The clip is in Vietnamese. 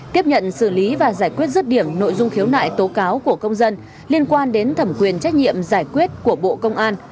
tiếp nhận xử lý và giải quyết rứt điểm nội dung khiếu nại tố cáo của công dân liên quan đến thẩm quyền trách nhiệm giải quyết của bộ công an